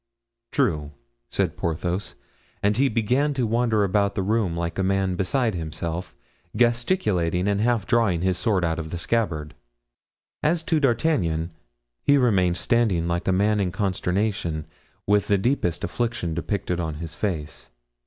"True," said Porthos. And he began to wander about the room like a man beside himself, gesticulating and half drawing his sword out of the scabbard. As to D'Artagnan, he remained standing like a man in consternation, with the deepest affliction depicted on his face.